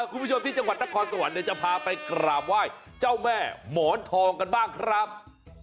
คุณผู้ชมที่จังหวัดนครสวรรค์เดี๋ยวจะพาไปกราบไหว้เจ้าแม่หมอนทองกันบ้างครับ